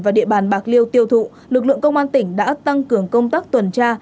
và địa bàn bạc liêu tiêu thụ lực lượng công an tỉnh đã tăng cường công tác tuần tra